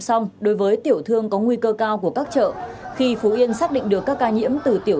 xong đối với tiểu thương có nguy cơ cao của các chợ khi phú yên xác định được các ca nhiễm từ tiểu